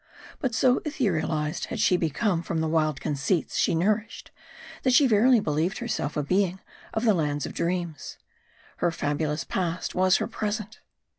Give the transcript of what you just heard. But so etherealized had she become from the wild conceits she nourished, that she verily believed herself a being of the lands of dreams. Her fabulous past was her present.